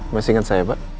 masih inget saya pak